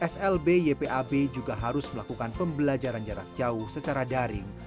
slb ypab juga harus melakukan pembelajaran jarak jauh secara daring